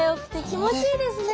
気持ちいいですね。